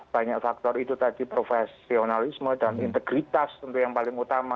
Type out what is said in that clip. banyak faktor itu tadi profesionalisme dan integritas tentu yang paling utama